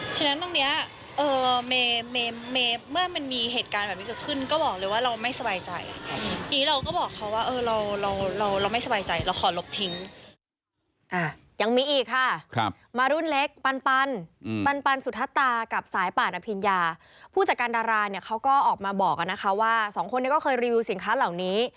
ฉะนั้นอันตรงนี้เมื่อมีเหตุการณ์อย่างนี้ก็ก็บอกเลยว่าเราไม่สบายใจ